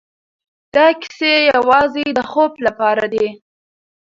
دا کيسې يوازې د خوب لپاره دي.